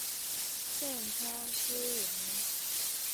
盛彦师人。